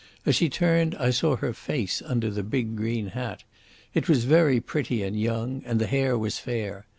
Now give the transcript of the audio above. As she turned I saw her face under the big green hat. It was very pretty and young, and the hair was fair.